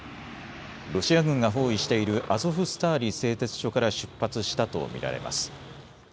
ロシア軍が包囲しているアゾフスターリ製鉄所から出発したと見られます。